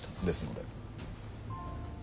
ですので。